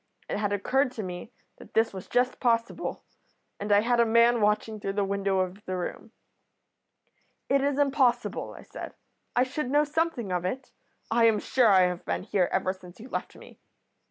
It had occurred to me that this was just possible, and I had a man watching through the window of the room.' "'It is impossible,' I said. 'I should know something of it. I am sure I have been here ever since you left me.